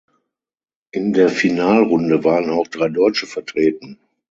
In der Finalrunde waren auch drei Deutsche vertreten.